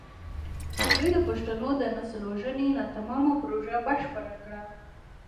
دوی د پښتنو د نسل وژنې ناتمامه پروژه بشپړه کړه.